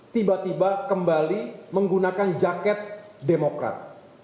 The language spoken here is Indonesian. tiba tiba kembali menggunakan jaket demokrat